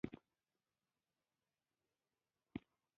ستا موقف د مجاهدو یوه رڼه نتیجه ده.